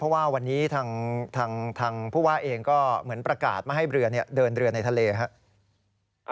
เพราะว่าวันนี้ทางผู้ว่าเองก็เหมือนประกาศไม่ให้เรือเดินเรือในทะเลครับ